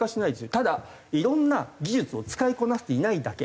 ただいろんな技術を使いこなせていないだけ。